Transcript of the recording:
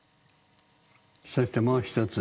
そしてもう一つ。